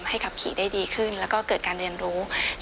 ขับขี่ได้ดีขึ้นแล้วก็เกิดการเรียนรู้